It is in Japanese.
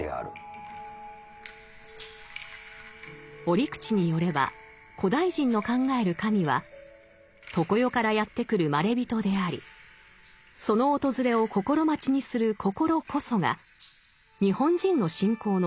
折口によれば古代人の考える神は常世からやって来るまれびとでありその訪れを心待ちにする心こそが日本人の信仰の原型だといいます。